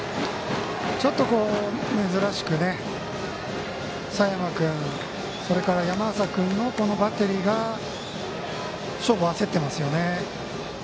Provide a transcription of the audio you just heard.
ちょっと珍しく佐山君、山浅君のバッテリーが勝負を焦ってますよね。